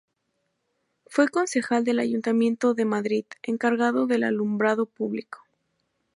Fue concejal del Ayuntamiento de Madrid, encargado del alumbrado público.